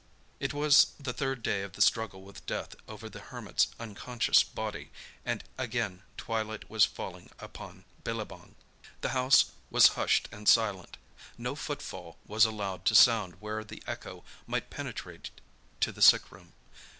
It was the third day of the struggle with death over the Hermit's unconscious body, and again twilight was falling upon Billabong. The house was hushed and silent. No footfall was allowed to sound where the echo might penetrate to the sick room.